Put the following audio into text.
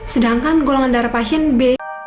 sedangkan golongan darah pasien b